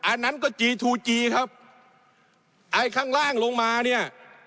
อันนั้นก็จีทูจีครับไอ้ข้างล่างลงมาเนี่ย